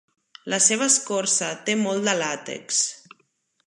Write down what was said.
La seva escorça té molt de làtex.